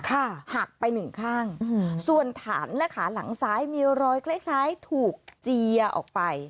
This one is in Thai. หักไปหนึ่งข้างอืมส่วนฐานและขาหลังซ้ายมีรอยคล้ายซ้ายถูกเจียออกไป